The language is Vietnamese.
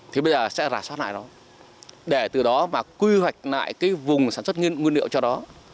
thì bây giờ sẽ rà soát lại nó để từ đó mà quy hoạch lại cái vùng sản xuất nguyên liệu cho đó